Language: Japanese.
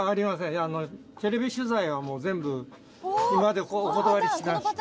いやあのテレビ取材はもう全部今までお断りしてきました。